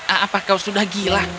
apa kau sudah gila